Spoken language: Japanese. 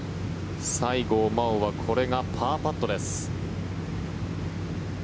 西郷真央はこれがパーパットです。